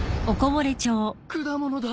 果物だ！